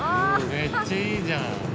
めっちゃいいじゃん。